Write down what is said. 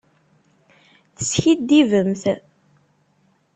Teskiddibemt.